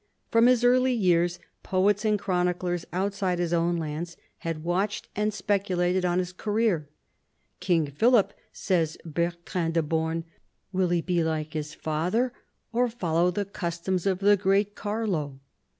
From his early years poets and chroniclers outside his own lands had watched and speculated on his career. " King Philip," says Bertrand de Born, " will he be like his father, or follow the customs of the great Carlo